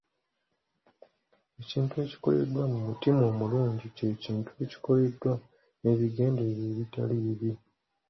Ekintu ekikoleddwa mu mutima omulungi ky'ekintu ekikoleddwa n'ebigendererwa ebitali bibi.